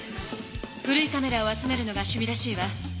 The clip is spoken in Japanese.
古いカメラを集めるのがしゅ味らしいわ。